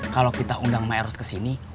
kalau kita undang maeros ke sini